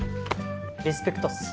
リスペクトっす。